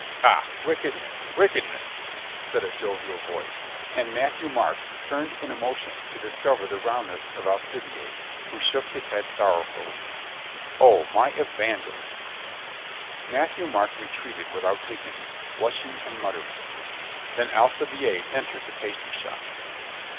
"Ha, wickedness! Wickedness!" said a jovial voice and Matthieu Marc turned in emotion to discover the roundness 208 COLONEL GREATHEART of Alcibiade, who shook his head sorrowfully. "O, my evangelist!" Matthieu Marc retreated without dignity, blush ing and muttering. Then Alcibiade entered the pastry shop.